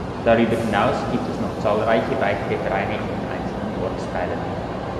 Darüber hinaus gibt es noch zahlreiche weitere Vereine in den einzelnen Ortsteilen.